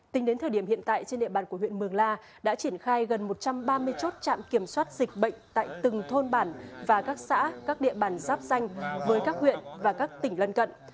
tính đến thời điểm hiện tại trên địa bàn của huyện mường la đã triển khai gần một trăm ba mươi chốt trạm kiểm soát dịch bệnh tại từng thôn bản và các xã các địa bàn giáp danh với các huyện và các tỉnh lân cận